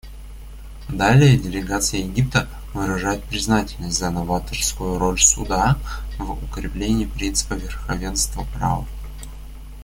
Далее делегация Египта выражает признательность за новаторскую роль Суда в укреплении принципа верховенства права.